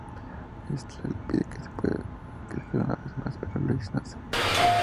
Lestat le pide que se quede una vez más, pero Louis no acepta.